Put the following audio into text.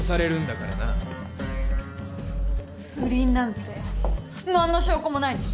不倫なんて何の証拠もないでしょ？